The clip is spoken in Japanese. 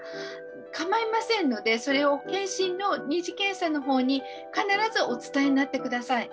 かまいませんのでそれを健診の二次検査の方に必ずお伝えになって下さい。